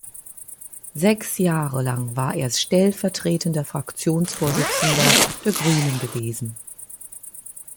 Sechs Jahre lang war er stellvertretender Fraktionsvorsitzender der Grünen gewesen.